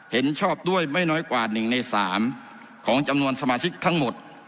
เห็นชอบด้วยไม่น้อยกว่า๑ใน๓ของจำนวนสมาชิกทั้งหมด